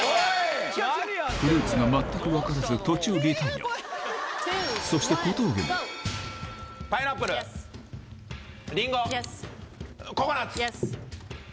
フルーツが全く分からず途中リタイアそして小峠もイエスイエスイエス。